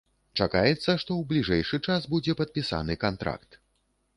Чакаецца, што ў бліжэйшы час будзе падпісаны кантракт.